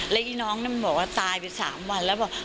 แล้วอีน้องนั้นบอกว่าตายไป๓วันแล้วบอก